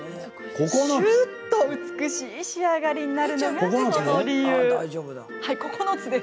しゅっと美しい仕上がりになるのが、その理由。